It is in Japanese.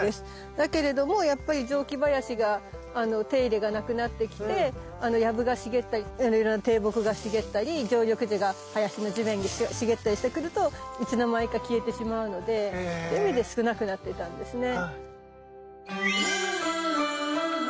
だけれどもやっぱり雑木林が手入れがなくなってきてヤブが茂ったりいろいろな低木が茂ったり常緑樹が林の地面に茂ったりしてくるといつの間にか消えてしまうのでそういう意味で少なくなってたんですね。